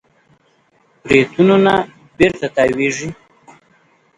بریتونونه بېرته تاوېږي.